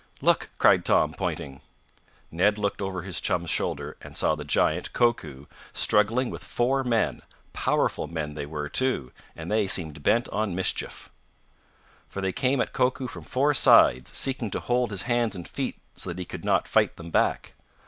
"Look!" cried Tom, pointing. Ned looked over his chum's shoulder and saw the giant, Koku, struggling with four men powerful men they were, too, and they seemed bent on mischief. For they came at Koku from four sides, seeking to hold his hands and feet so that he could not fight them back.